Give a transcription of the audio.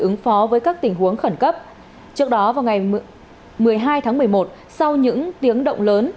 ứng phó với các tình huống khẩn cấp trước đó vào ngày một mươi hai tháng một mươi một sau những tiếng động lớn